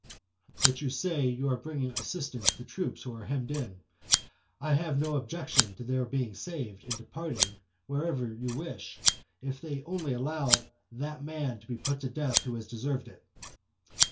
"But you say, you are bringing assistance to troops who are hemmed in. I have no objection to their being saved, and departing wherever you wish, if they only allow that man to be put to death who has deserved it."